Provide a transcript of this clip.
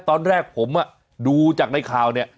ตอนแรกผมดูจากในข่าวเนี่ย